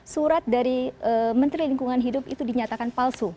surat dari menteri lingkungan hidup itu dinyatakan palsu